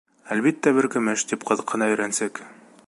— Әлбиттә, бер көмөш. — тип ҡыҙыҡһына өйрәнсек.